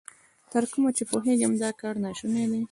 تر کومه چې پوهېږم، دا کار نا شونی دی.